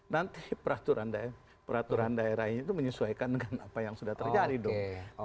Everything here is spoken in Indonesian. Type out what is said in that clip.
nanti peraturan daerahnya itu menyesuaikan dengan apa yang sudah terjadi dong